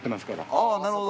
あぁなるほど。